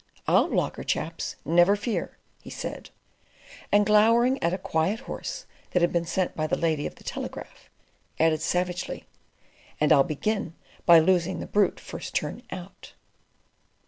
"I'll block her, chaps, never fear," he said; and glowering at a "quiet" horse that had been sent by the lady at the Telegraph, added savagely, "and I'll begin by losing that brute first turn out."